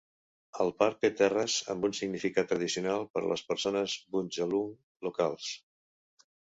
El parc té terres amb un significat tradicional per a les persones bundjalung locals.